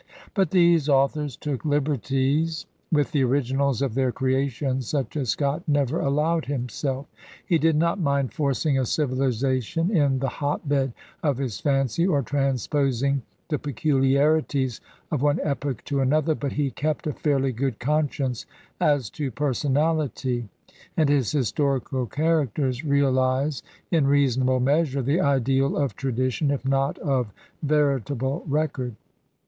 But these authors took Uberties with the originals of their creations such as Scott never allowed himself. He did not mind forcing a civiliza tion in the hot bed of his fancy, or trsmsposing the pe culiarities of one epoch to another; but he kept a fairly good conscience as to personality, and his historical characters realize in reasonable measure the ideal of tradition, if not of veritable record.